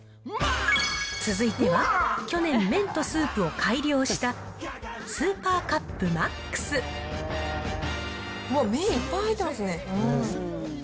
続いては、去年麺とスープを改良した、もう麺いっぱい入ってますね。